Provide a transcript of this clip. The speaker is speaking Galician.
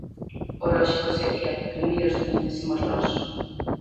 O lóxico sería que primeiro os coñecésemos nós.